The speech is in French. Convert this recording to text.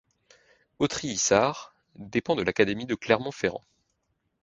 Autry-Issards dépend de l'académie de Clermont-Ferrand.